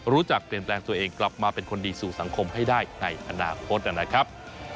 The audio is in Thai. รู้จักเปลี่ยนแปลงตัวเองกลับมาเป็นคนดีสู่สังคมให้ได้ในอนาคตนะครับ